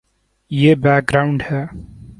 یہ background ہے۔